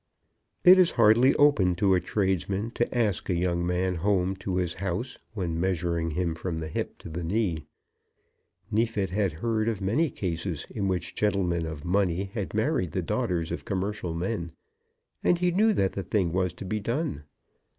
It is hardly open to a tradesman to ask a young man home to his house when measuring him from the hip to the knee. Neefit had heard of many cases in which gentlemen of money had married the daughters of commercial men, and he knew that the thing was to be done.